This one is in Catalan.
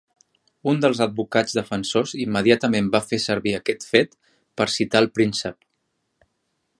Un dels advocats defensors immediatament va fer servir aquest fet per citar el príncep.